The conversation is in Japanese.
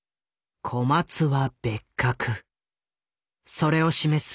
それを示す